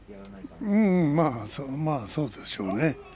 うん、まあそうでしょうね。